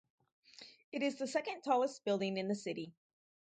It is the second-tallest building in the city.